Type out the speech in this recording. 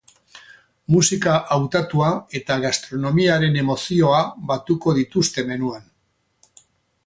Musika hautatua eta gastronomiaren emozioa batuko dituzte menuan.